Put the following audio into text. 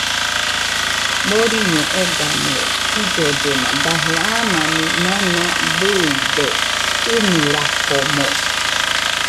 Boriño ogamɨe jillollena daje amani mona bɨide, ɨnɨrakomo